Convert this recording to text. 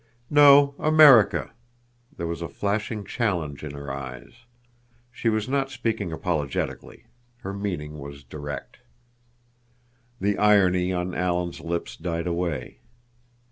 "No, America." There was a flashing challenge in her eyes. She was not speaking apologetically. Her meaning was direct. The irony on Alan's lips died away.